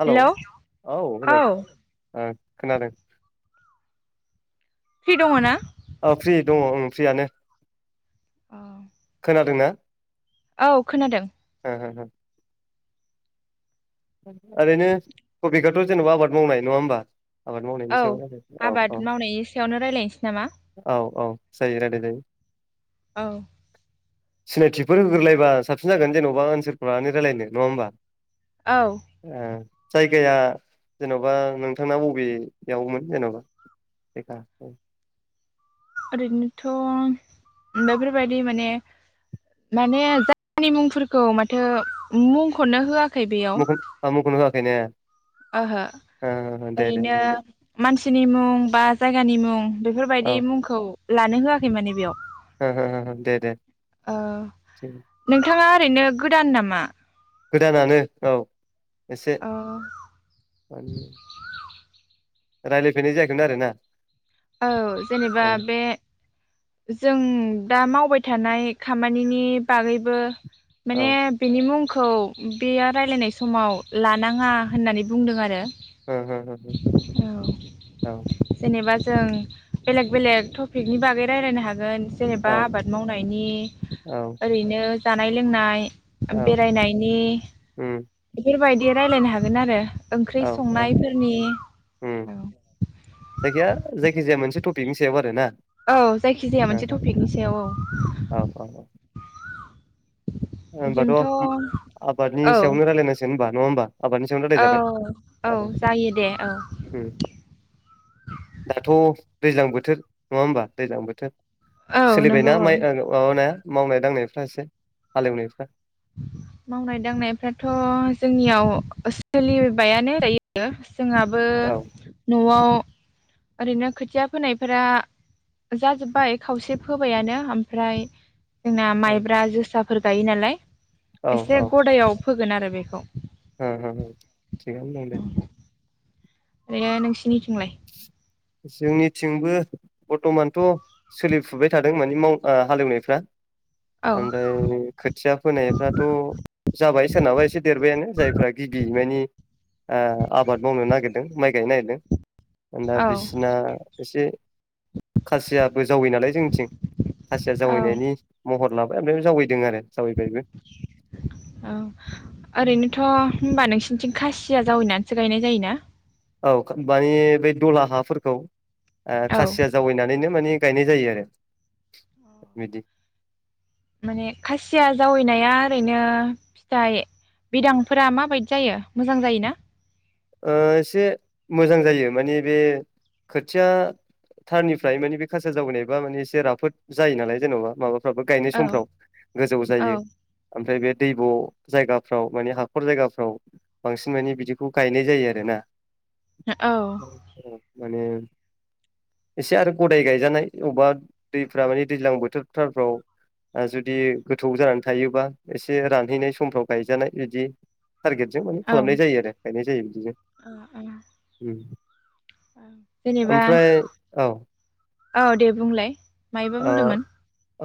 Hello औ hello औ ओ खोनादों? फ्रि दङ' ना? ओ फ्रि दङ' ओं फ्रियानो। अ। खोदोंना? औ खोनादों। [unintelligible] ओरैनो थ'बिखआथ' जेनेबा आबाद मावनाय नङा होमबा? आबाद मावनायनि औ सायाव रायलायनो औ आबाद औ मावनायनि सायावनो रायलायनोसै नामा? औ औ जायो रायलायजायो। औ। सिनायथिफोर होग्रोलायबा साबसिन जागोन जेन'बा ओनसोलखौ लानानै रायलायनो नङा होमबा? औ ओ। जायगाया जेन'बा नोंथांना बबेयावमोन जेन'बा जायगा ओं? ओरैनोथ' बेफोरबायदि माने माने जायगानि मुंफोरखौ माथो मुंखौनो होआ [unintelligible] खायनो ओहो दे ओरैनो मानसिनि मुं बा जायगानि मुं औ ओ बेफोरबायदि मुंखौ लानो होआखै माने बेयाव। हो हो दे दे। ओ नोंथाङा ओरैनो गोदान नामा? गोदानानो औ। एसे औ रायलायफेरनाय जायाखैमोन आरो ना। औ जेनेबा बे जों दा मावबाय थानाय खामानिनि बागैबो औ माने बिनि मुं खौ बे रायलायनाय समाव लानाङा होननानै बुंदों आरो। हो हो हो औ। जेनेबा जों बेलेग बेलेक टपिकनि बागै रायलायनो हागोन। जेनेबा औ आबाद मावनायनि औ ओरैनो जानाय लोंनाय। औ बेरायनायनि उम बेफोरबाय रायलायनो हागोन आरो। ओंख्रि औ औ संनायफोरनि उम औ। जायखिया जायखिजाया मोनसे टपिकनि सायाव आरोना। औ जायखिजाया औ मोनसे टपिकनि सायाव औ। होनबाथ जोंथ' औ आबादनि सायावनो रायलायनांसिगोन होनबा। नङा होनबा। आबादनि सायाव औ रायलायजाबाय औ जायो दे औ ओम दाथ दैज्लां बोथोर नङा होमबा दैज्लां बोथोर। औ नंगौ सोलिबायना औ माइ माबानाया मावनाय दांनायफोरा एसे हाल एवनायफोरा मावनाय दांनायफ्राथ जोंनियाव सोलिबायानो दायो। जोंहाबो औ नआव ओरैनो खोथिया फोनायफोरा जाजोब्बाय खावसे फोबायानो ओमफ्राय। जोंना औ माइब्रा जोसा। फोर गायो नालाय औ एसे गदायाव फोगोन आरो बेखौ ओम ओम ओम थिगैनो दङ दे ओरैनो नोंसिनिथिंलाय? जोंनिथिंबो बरतमानथ सोलिफुबाय थादों माने माव हालेवनायफ्रा औ ओमफ्राय खोथिया फोनायफ्राथ जाबाय सोरनाबा एसे देरबायानो जायफ्रा गिबि माने ओ आबाद मावनो नागिरदों माइ गायनो नागिरदों दा औ बिस ओ एसे खासिया बो जावै नालाय जोंनिथिं खासिया औ जावैनायनि महर लाबो [unintelligible] जावाइदों आरो जावैबायबो [inaudible] औ ओरैनोथ' होनबा नोंसिनिथिं खासिया जावैनानै सो गायनाय जायोना? औ खानबाय बे दलहा हाफोरखौ ओ खासिया जावैनानैनो माने गायनाय जायो आरो औ बिदि माने खासिया जावैनाया ओरैनो फिथाइ बिदांफोरा माबायदि जायो मोजां जायोना ओ एसे मोजां जायो मानि बे खोथिया थारनिफ्राय मानि बे खासिया जावैनाय बा माने एसे राफोद जायो नालाय जेन'बा माबा फ्राबो गायनाय औ समफ्राव गोजौ औ जायो ओमफ्राय बेद दैब' जायगाफ्राव माने हाखर जायगाफ्राव बांसिन मानि बिदिखौ गायनाय जायो आरोना औ [inaudible] माने एसे आरो गदाय गायजानाय अबा दैफ्रा माने दैज्लां बोथोर थारफ्राव ओ जुदि गोथौ जानानै थायो बा एसे रानहैनाय समफ्राव गायजानाय इदि थारगेटजों माने औ खालामनाय जायो आरो नाय जायो बिदिजों औ औ [inaudible] [inaudible] जेनेबा ओमफ्राय औ औ दे बुंलाय मायोबा बुंदोंमोन?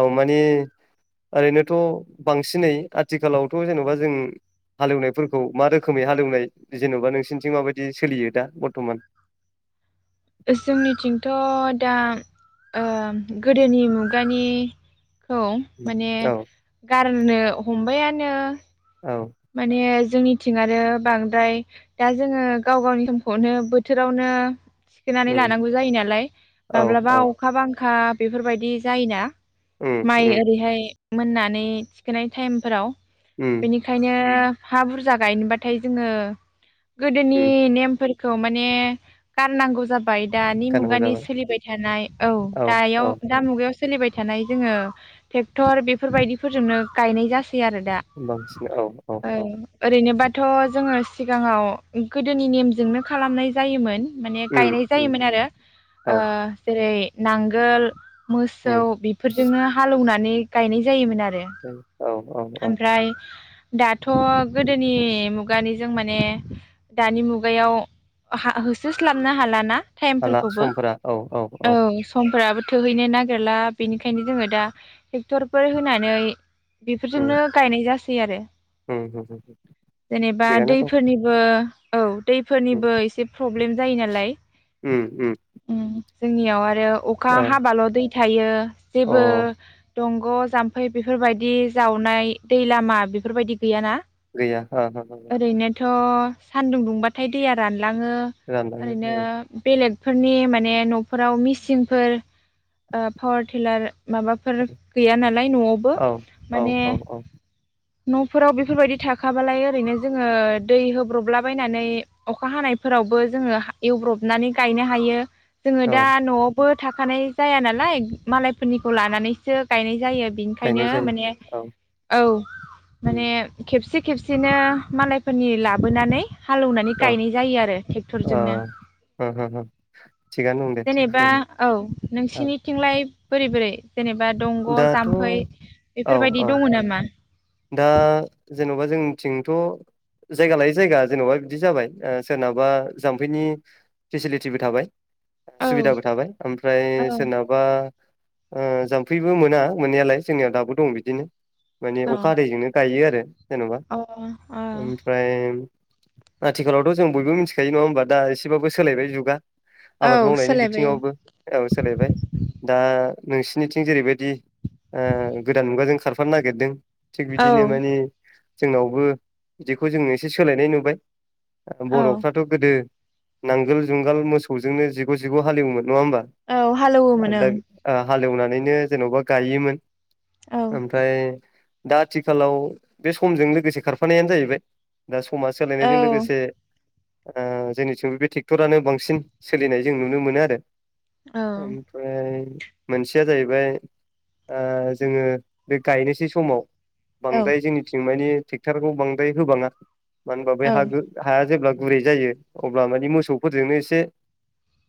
औ मानि ओरैनोथ' बांसिनै आथिखालावथ' जेन'बा जों हालेवनायफोरखौ मा रोखोमै हालेवनाय जेन'बा नोंसिनिथिं माबायदि सोलियो दा बरथमान जोंनिथिंथ' दा ओ गोदोनि मुगानि खौ माने औ गारनो हमबाय आर नो औ माने जोंनिथिं आरो बांद्राय दा जोङो गाव गावनि समखौनो बोथोरावनो थिखोनानै उम लानांगौ जायो नालाय औ माब्लाबा औ अखा बां खा बेफोरबायदि जायोना। उम माइ उम ओरैहाय मोननानै थिखोनाय टाइमफोराव। उम। खायनो हा बुरजा गायनोबाथाय जोङो गोदोनि उम नेमफोर खौ माने गारनांगौ जाब बाय दानि गारनांगौ मुगानि जाबाय सोलिबाय थानाय औ दायाव दा मुगायाव सोलिबाय थानाय जोङो टेक्टर बेफोर बायदिफोरजोंनो गायनाय जास बांसिन औ। औ ओं औ ओरै जेनबाथ' जोङो सिगाङाव गोदोनि नेमजोंनो खालामनाय जायोमोन। माने उम गायनाय उम जायोमोन आरो ओ औ जेरै नांगोल मोसौ उम बेफोरजोंनो हालौना ने गायनाय जायोमोन आर रो औ औ औ ओमफ्राय दाथ' गोदोनि मुगानि जों माने दानि मुगायाव हा-होसोस्लाबनो हालाना? हाला टाइमफोरखौबो समफोरा औ औ समफोराबो थोहैनो नागिरला बेनिखायनो जोङो दा टेक्टरफोर होनानै उम बेफोरजोंनो गायनाय जास सै आरो। उम उम जेनेबा थिगानो दं दैफोरनिबो औ। उम दैफोरनिबो एसे प्रब्लेम जायो नालाय। उम उम जोंनियाव आ रो अखा औ हाबाल' दै थायो। जेबो अ दंग' जाम्फै बेफोरबायदि जावनाय, दै लामा बेफोरबायदि गैयाना। गैया हो हो हो ओरैनोथ' सान्दुं दुंबाथाय दैया रानो लाङो रानलाङो ओरैनो औ बेलेग फोरनि माने नफोराव मिसिंफोर पावार टिलार माबाफोर गैया नालाय नआवबो औ माने औ औ न फोराव बेफोरबायदि थाखाबालाय ओरैनो जोङो दै होब्रबलाबायनानै अखा हानायफोरावबो जोङो एवब्रबनानै गायनो हायो जोङो औ दा नआवबो थाखानाय जाया नालाय मालायफोरनिखौ लानानैसो गायनाय जायो बिनिखायनो गायनाय जायो माने औ औ उम माने खेब खेबसे खेबसेनो मालायफोरनि लाबोनानै हालेवनानै औ गायनाय जायो आरो औ ट्रेक्टरजोंनो हो हो हो थिगानो दं दे जेनेबा औ औ नोंसिनिथिंलाय बोरै बोरै जेनेबा दंग' दाथ' जाम्फै औ बेफोरबायदि औ दङ नामा दा जेन'बा जोंनिथिं थ' जायगा लायै जायगा जेन'बा बिदि जाबाय सोरनावबा जाम्फैनि फेसिलिटिबो थाबाय औ सुबिदाबो थाबाय ओमफ्राय औ सोरनाबा ओ जाम्फैबो मोना मोननायालाय जोंनियाव दाबो दं बिदिनो अखा हादैजोंनो गायो आरो जेनेबा औ अ अ ओमफ्राय आथिखालावथ' जों बयबो मिथिखायो नङा होनबा दा एसेबाबो सोलायबाय जुगा आबाद औ मावनायनि सोलायबाय औ बिथिङावबो औ सोलायबाय दा नोंसोरनिथिं जेरैबायदि ओ गोदान मुगाजों खार फानो नागेरदों थिग औ बिदिनो माने जोंनावबो बिदिखौ जों एसे सोलायनाय नुबाय। ओ औ बर'फ्राथ' गोदो नांगोल जुंगाल मोसौजोंनो जिग' जिग' हालेवोमोन नङा होनबा औ ओ हालौवोमोन [unintelligible] आ हालेवनानैनो जेन'बा गायोमोन ओं ओमफ्राय दा आथिखालाव बे समजों लोगोसे खारफानायानो जाहैबाय। दा समा औ सोलायनायजों लोगोसे ओ जोंनिथिंबो बे टेक्टरानो बांसिन सोलिनाय जों नुनो मोनो आरो औ ओमफ्राय मोनसेया जाहैबाय ओ जोङो बे गायनोसै समाव बांद्राय जोंनिथिं माने टेक्टारखौ बांद्राय होबाङा मानो होनबा बै औ हागो हाया जेब्ला गुरै जायो अब्ला माने मोसौफोरजोंनो एसे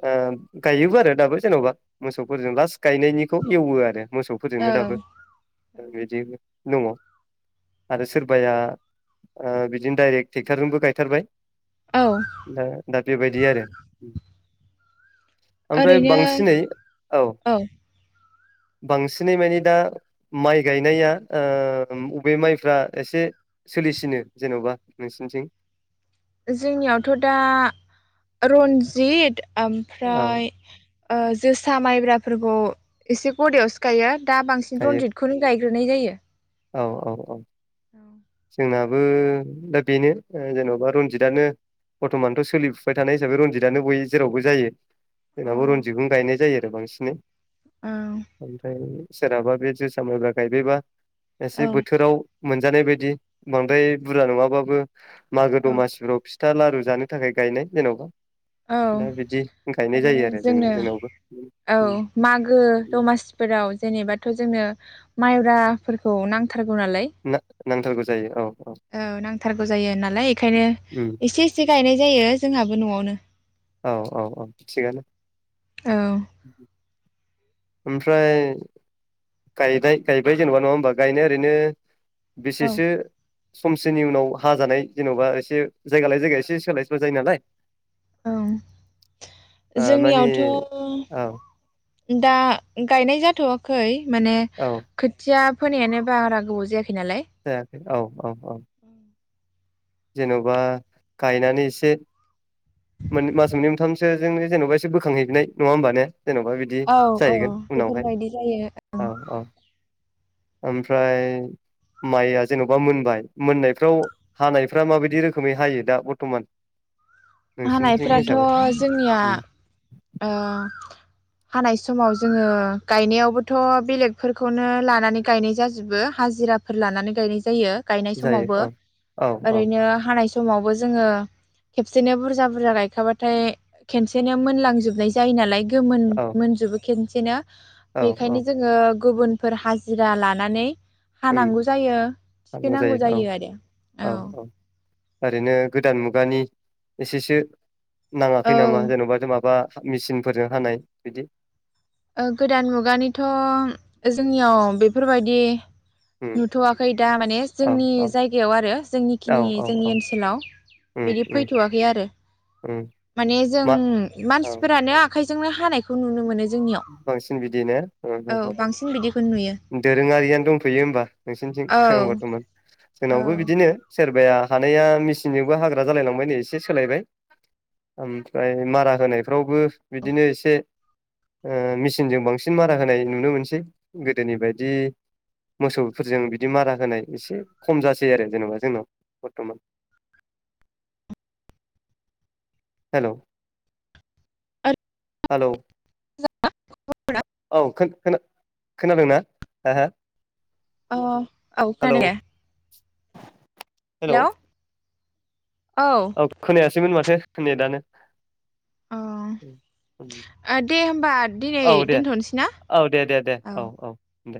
ओ गायोबो आरो दाबो जेन'बा मोसौफोरजों लास्ट। गायनायनिखौ एवो आरो मोसौफोरजोंनो दाबो औ ओ बिदि। दङ आरो सोरबाया ओ बिदिनो डाइरेक टेक्टारजोंबो गायथारबाय। औ दा दा बेबायदि आरो ओमफ्राय ओरैनो बांसिनै औ बांसिनै मानि दा माइ गायनाया ओ अबे माइफ्रा एसे सोलिसिनो जेन'बा नोंसिनिथिं? जोंनियावथ' दा रन्जित औ ओमफ्राय ओ जोसा माइब्राफोरखौ एसे गदयावसो गायो। दा बांसिन गायो रनजिटखौनो गाय [unintelligible] नाय जायो औ औ औ औ जोंनाबो दा बेनो ओ जेन'बा रनजितानो बर्थमानथ' सोलिफुबाय थानाय हिसाबै रनजितानो बय जेरावबो जायो। अ जोंनाबो रनजितखौनो गायनाय जायो। बांसिनै औ ओमफ्राय सोरहाबा बे जोसा मायब्रा गायबायबा औ एसे बोथोराव मोनजानाय बाय बिदि बांद्राय बुरजा नङाबाबो मागो औ दमासिफ्राव फिथा लारु जानो थाखाय गायनाय जेन'बा औ दा बिदि गायनाय माने जायो आरो जोङो जोंनो जोंनावबो औ मागो दमासिफोराव जेनेबाथ' जोनो माइब्राफोरखौ नां थारगौ नालाय ना नांथारगौ जायो औ औ नांथारगौ जायो नालाय एखायनो एसे एसे गायनाय जायो। जोंहाबो न'आवनो औ औ औ थिगानो। औ ओमफ्राय गायदाय गायबाय जेनेबा नङा होमबा गायनाया ओरैनो बेसेसो समसेनि उनाव हा जानाय जेनेबा एसे जायगा लायै जायगा एसे सोलाय सोलाय जायो नालाय। औ ओ माने जोंनियावथ' औ दा गायनाय जाथ'वाखै। माने औ खोथिया फोनायानो बारा गोबाव जायाख जायाखै औ औ औ। जेन'बा गायनानै इसे मोन मास मोननै मोनथामसो जों जेन'बा एसे बोखांहैनाय नङा होमबा ने? जेन'बा बिदि औ औ जाहैगोन उनावहाय बेफोरबायदि जायो। औ औ ओमफ्राय माइया जेन'बा मोनबाय मोननायफ्राव हानायफ्रा माबायदि रोखोमै हायो दा बरथमान? हानायफोराथ' जोंनिया हानाय समाव जोङो गायनायावबोथ' बेलेगफोरखौनो लानानै गायनाय जाजोबो हाजिराफोर लानानै गायनाय जायो। गायनाय जायो समावबो औ औ औ ओरैनो हानाय सम समावबो जोङो खेबसेनो बुरजा बुरजा गायखाबाथाय खेनसेनो मोनलांजोब जोबनाय जायो नालाय। गोमोन औ मोनजोबो केन्से बिदिनो औ औ बेखायनो जोङो गुबुनफोर हाजिरा लानानै हानांगौ जायो नांगौ थिखोनांगौ जायो औ आरो औ औ ओरैनो गोदान मुगानि एसेसो औ नाङाखै नामा जेन'बा जों माबा मेचिनफोरजों हानाय बिदि गोदान मुगानिथ' जोंनियाव बेफोरबायदि उम नुथ'वाखै दा माने औ जोंनि औ जायगायाव आरो औ जोंनिखिनि औ जोंनि औ ओनसोलाव उम बिदि उम फैथ'आखै आरो उम माने जों मा औ मानसिफोरानो आखाइजोंनो हानायखौ नुनो मोनो जोंनियाव। बांसिन बिदिनो औ बांसिन बिदिखौ नुयो दोरोङारियानो दंथयो होमबा औ नोंसिनिथिंं बर्थ'मान औ जोंनावबो बिदिनो सोरब सोरबाया हानाया मेसिनजोंबो हाग्रा जालायलांबायनो एसे सोलायबाय ओमफ्राय मारा होनायफ्रावबो बिदिनो एसे ओ मेचिनजों बांसिन मारा होनाय नुनो मोनसै गोदोनि बायदि मोसौफोरजों बिदि मारा होनाय एसे खम जासै आरो जेनेबा जोंनाव बर्थमान। हेलौ अ हेलौ। औ खोनादोंना? हा हा अ औ [unintelligible] हेल' हेलौ। औ खोनायासैमोन माथो नेदानो? औ दे होमबा दिनै औ दे दोन्थ'नोसै ना? औ दे दे दे औ दे।